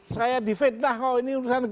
saya difitnah kok ini urusan